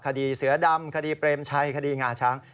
คดีเสือดำคดีเปรมชัยคดีงาช้าง